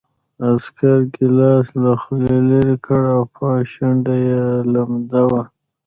عسکر ګیلاس له خولې لېرې کړ او پاس شونډه یې لمده وه